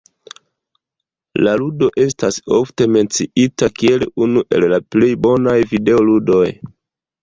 La ludo estas ofte menciita kiel unu el la plej bonaj videoludoj.